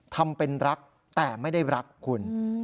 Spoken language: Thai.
ทำเป็นรักแต่ไม่ได้รักคุณ